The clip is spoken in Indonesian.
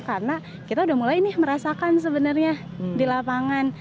karena kita sudah mulai merasakan sebenarnya di lapangan